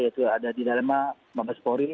yaitu ada di dalem mabes pori